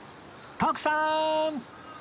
徳さーん！